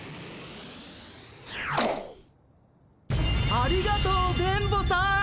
ありがとう電ボさん！